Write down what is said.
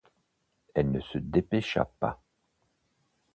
Elle ne se dépêcha pas.